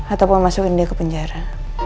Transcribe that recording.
ataupun masukin dia ke penjara